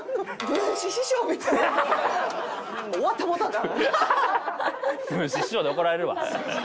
文枝師匠に怒られるわ！